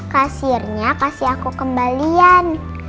kasirnya kasih aku kembalian